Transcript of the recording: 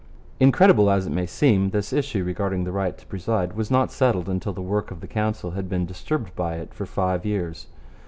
Incredible as it may seem, this issue regarding the right to preside was not settled until the work of the Council had been disturbed by it for five years.